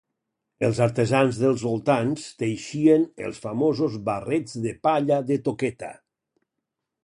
Els artesans dels voltants teixixen els famosos barrets de palla de toqueta.